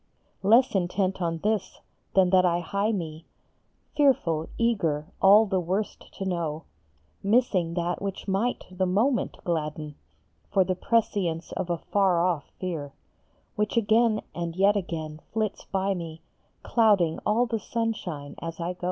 Less intent on this than that I hie me, Fearful, eager, all the worst to know, Missing that which might the moment gladden, For the prescience of a far off fear, Which again and yet again flits by me, Clouding all the sunshine as I go.